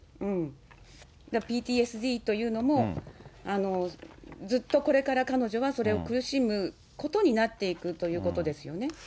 だからＰＴＳＤというのも、ずっとこれから彼女は、それを苦しむことになっていくということですよね。